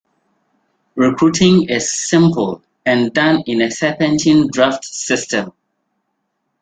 Recruiting is simple and done in a serpentine draft system.